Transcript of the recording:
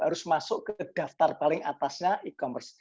harus masuk ke daftar paling atasnya e commerce